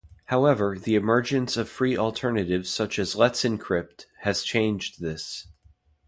However, the emergence of free alternatives such as Let's Encrypt, has changed this.